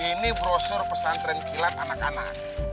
ini brosur pesan terenggelat anak anak